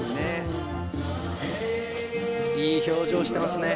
いい表情してますね